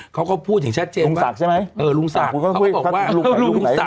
เค้าก็พูดอย่างชัดเจนว่า